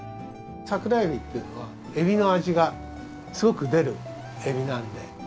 桜エビっていうのはエビの味がすごく出るエビなので。